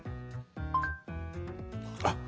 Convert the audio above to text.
あっ！